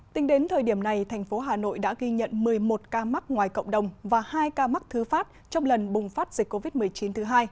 tính đến thời điểm này thành phố hà nội đã ghi nhận một mươi một ca mắc ngoài cộng đồng và hai ca mắc thứ phát trong lần bùng phát dịch covid một mươi chín thứ hai